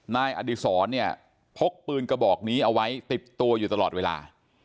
นายอดิษรเนี่ยพกปืนกระบอกนี้เอาไว้ติดตัวอยู่ตลอดเวลา